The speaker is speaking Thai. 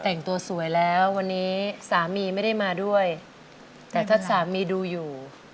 แต่งตัวสวยแล้ววันนี้สามีไม่ได้มาด้วยแต่ถ้าสามีดูอยู่